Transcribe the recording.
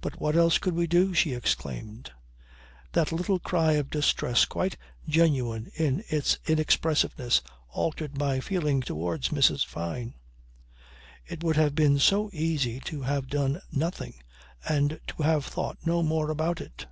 "But what else could we do?" she exclaimed. That little cry of distress quite genuine in its inexpressiveness, altered my feeling towards Mrs. Fyne. It would have been so easy to have done nothing and to have thought no more about it.